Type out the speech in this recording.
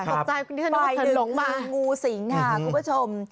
ฝ่ายหนึ่งคืองูสิงค่ะคุณผู้ชม